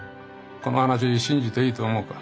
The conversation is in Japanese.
この話信じていいと思うか？